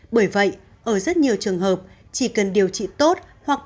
bởi vậy ở rất nhiều trường hợp chỉ cần điều trị tốt hoặc